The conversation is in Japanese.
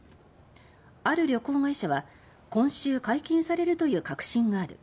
ある旅行会社は「今週解禁されるという確信がある。